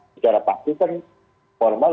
secara fakti kan formal